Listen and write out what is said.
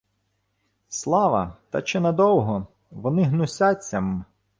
— Слава, та чи надовго? Вони гнусяться мм...